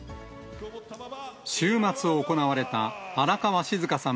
週末行われた荒川静香さん